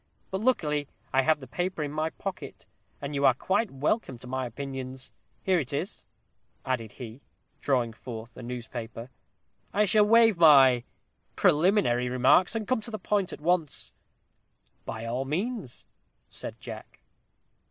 But luckily I have the paper in my pocket; and you are quite welcome to my opinions. Here it is," added he, drawing forth a newspaper. "I shall waive my preliminary remarks, and come to the point at once." "By all means," said Jack.